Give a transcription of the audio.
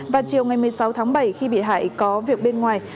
vào chiều ngày một mươi sáu tháng bảy khi bị hại có việc bên ngoài